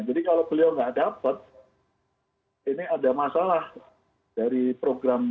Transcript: jadi kalau beliau nggak dapat ini ada masalah dari program bsu ini